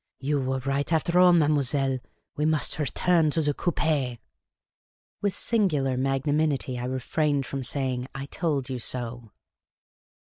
You were right, after all, mademoiselle ! We must return to the coupi!'' With singular magnanimity, I refrained from saying, " I told you so.